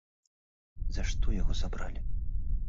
За што яго забралі?